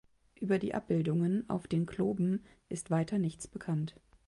Über die Abbildungen auf den Globen ist weiter nichts bekannt.